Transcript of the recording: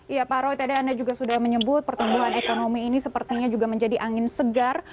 iya pak roy tadi anda juga sudah menyebut pertumbuhan ekonomi ini sepertinya juga menjadi angin segar